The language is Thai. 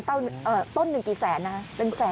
ต้นหนึ่งกี่แสนนะฮะเป็นแสน